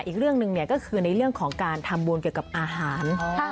อีกเรื่องหนึ่งก็คือในเรื่องของการทำบุญเกี่ยวกับอาหาร